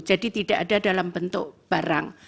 jadi tidak ada dalam bentuk barang